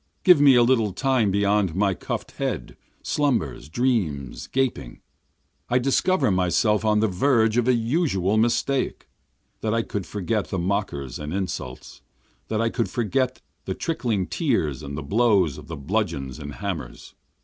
Give me a little time beyond my cuff'd head, slumbers, dreams, gaping, I discover myself on the verge of a usual mistake. That I could forget the mockers and insults! That I could forget the trickling tears and the blows of the bludgeons and hammers!